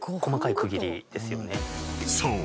［そう。